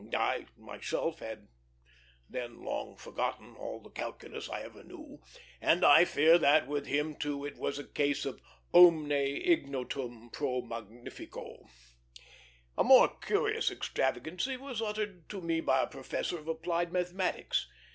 I myself had then long forgotten all the calculus I ever knew, and I fear that with him, too, it was a case of omne ignotum pro magnifico. A more curious extravagancy was uttered to me by a professor of applied mathematics.